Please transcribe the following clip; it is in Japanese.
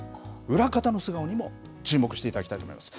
裏方の素顔にも注目していただきたいと思います。